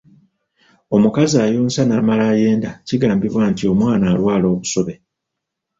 Omukazi ayonsa n’amala ayenda kigambibwa nti omwana alwala Obusobe.